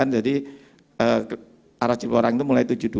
jadi arah cipularang itu mulai tujuh puluh dua